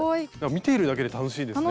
見ているだけで楽しいですね